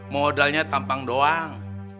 modalnya tampang doang